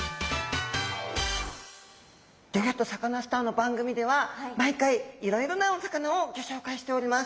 「ギョギョッとサカナ★スター」の番組では毎回いろいろなお魚をギョ紹介しております。